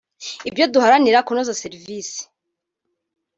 bityo duharanire kunoza serivisi